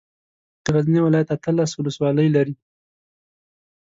د غزني ولايت اتلس ولسوالۍ لري.